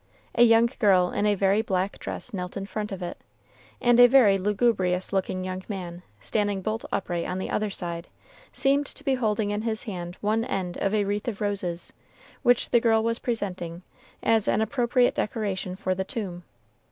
A young girl, in a very black dress, knelt in front of it, and a very lugubrious looking young man, standing bolt upright on the other side, seemed to hold in his hand one end of a wreath of roses, which the girl was presenting, as an appropriate decoration for the tomb.